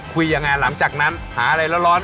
คุยยังไงหลังจากนั้นหาอะไรร้อน